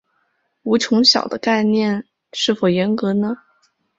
无穷小量的概念是否严格呢？